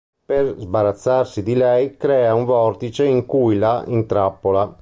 Per sbarazzarsi di lei crea un vortice in cui la intrappola.